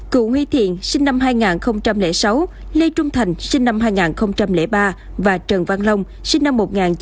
cụ huy thiện sinh năm hai nghìn sáu lê trung thành sinh năm hai nghìn ba và trần văn long sinh năm một nghìn chín trăm chín mươi bảy